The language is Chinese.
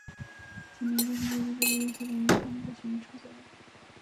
节目旨在评选出中国优秀的原创歌曲与唱作人。